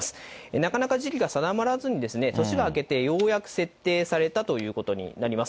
なかなか時期が定まらずに、年が明けてようやく設定されたということになります。